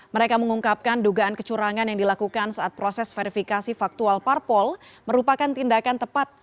mereka mengungkapkan dugaan kecurangan yang dilakukan saat proses verifikasi faktual parpol merupakan tindakan tepat